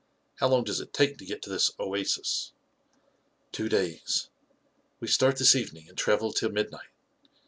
How long does it take to get to this oasis ?"" Two days. We start this evening and travel till midnight.